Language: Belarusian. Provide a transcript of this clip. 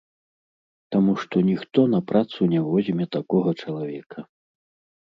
Таму што ніхто на працу не возьме такога чалавека.